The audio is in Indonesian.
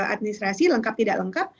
administrasi lengkap tidak lengkap